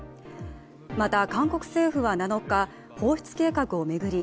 また韓国政府は７日、放出計画を巡り